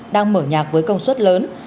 đang mở nhạc với công suất lớn